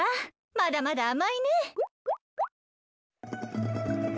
まだまだあまいね！